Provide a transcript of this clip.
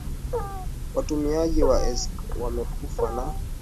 watumiaji wa ecstasy wamekufa Na